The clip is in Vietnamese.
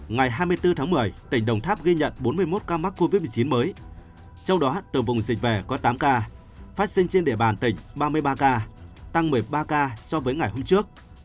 ngày hai mươi bốn tháng một mươi tỉnh đồng tháp ghi nhận bốn mươi một ca mắc covid một mươi chín mới trong đó từ vùng dịch về có tám ca phát sinh trên địa bàn tỉnh ba mươi ba ca tăng một mươi ba ca so với ngày hôm trước